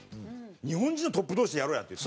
日本人のトップ同士でやろうやっていって。